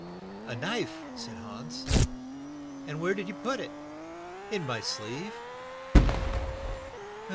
"A knife," said Hans. "And where did you put it?" "In my sleeve."